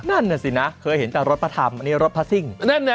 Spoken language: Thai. นั่นน่ะสินะเคยเห็นแต่รถพระธรรมอันนี้รถพระซิ่ง